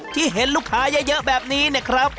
ที่เห็นลูกค้าเยอะแบบนี้เนี่ยครับ